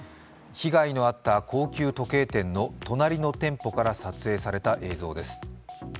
被害のあった高級時計店の隣の店舗から撮影された映像です。